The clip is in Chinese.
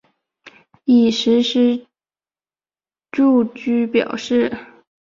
已实施住居表示。